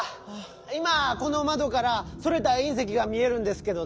いまこのまどからそれたいん石が見えるんですけどね